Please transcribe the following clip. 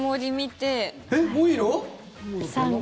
え、もういいの？